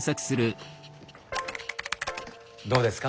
どうですか？